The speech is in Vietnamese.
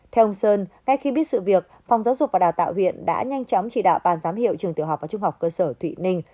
phòng giáo dục và đào tạo huyện đã nhanh chóng chỉ đạo bàn giám hiệu trường tiểu học và trung học cơ sở thụy ninh